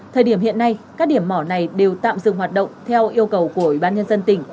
thời điểm hiện nay các điểm mỏ này đều tạm dừng hoạt động theo yêu cầu của ủy ban nhân dân tỉnh